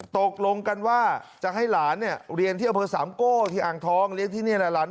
ตกลงกันว่าจะให้หลานเนี่ยเรียนที่อำเภอสามโก้ที่อ่างทองเรียนที่นี่แหละหลาน